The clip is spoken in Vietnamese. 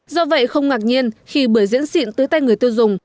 do vậy không ngạc nhiên khi bưởi diễn xịn tới tay người tiêu dùng